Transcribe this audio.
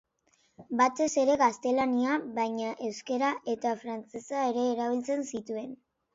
Batez ere gaztelania, baina euskara eta frantsesa ere erabiltzen zituen.